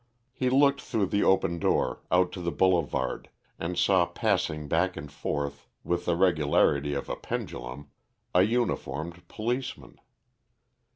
He looked through the open door, out to the Boulevard, and saw passing back and forth with the regularity of a pendulum, a uniformed policeman.